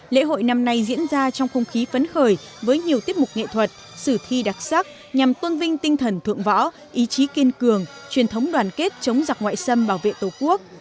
lễ hội năm nay diễn ra trong không khí phấn khởi với nhiều tiết mục nghệ thuật sử thi đặc sắc nhằm tôn vinh tinh thần thượng võ ý chí kiên cường truyền thống đoàn kết chống giặc ngoại xâm bảo vệ tổ quốc